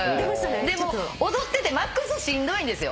でも踊っててマックスしんどいんですよ。